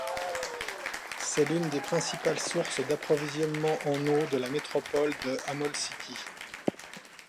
C'est l'une des principales sources d'approvisionnement en eau de la métropole de Amol City.